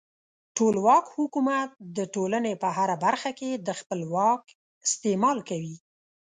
ټولواک حکومت د ټولنې په هره برخه کې د خپل واک استعمال کوي.